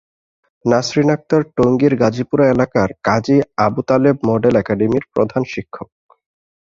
নাসরিন আক্তার টঙ্গীর গাজীপুরা এলাকার কাজী আবু তালেব মডেল একাডেমির প্রধান শিক্ষক।